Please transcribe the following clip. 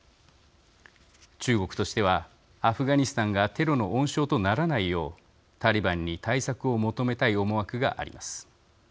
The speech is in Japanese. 中国としてはアフガニスタンがテロの温床とならないようタリバンに対策を求めたい思惑があります。